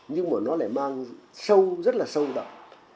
nhưng mà nó lại mang sâu rất là sâu đậm